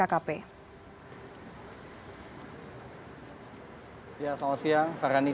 edy prabowo kementerian kelautan dan perikanan kementerian komunikasi indonesia